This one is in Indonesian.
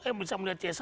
eh bisa melihat c satu